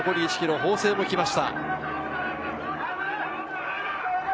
法政も来ました。